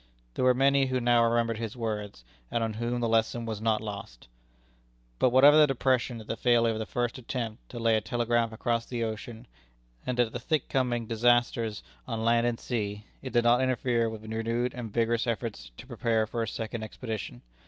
There were many who now remembered his words, and on whom the lesson was not lost. But whatever the depression at the failure of the first attempt to lay a telegraph across the ocean, and at the thick coming disasters on land and sea, it did not interfere with renewed and vigorous efforts to prepare for a second expedition.